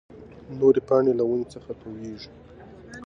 نورې پاڼې له ونې څخه تويېږي.